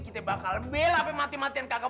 kita bakal bela sampai mati matian kakak